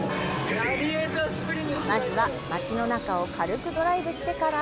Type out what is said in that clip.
まずは、街の中を軽くドライブしてから。